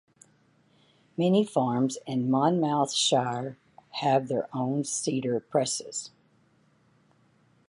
Many farms in Monmouthshire have their own cider presses.